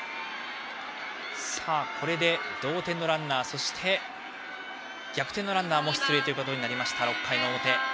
これで同点のランナーそして、逆転のランナーも出塁となりました、６回の表。